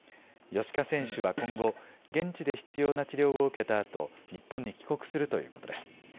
芳家選手は今後、現地で必要な治療を受けたあと、日本に帰国するということです。